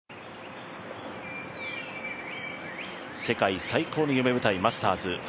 世界最高の夢舞台マスターズ。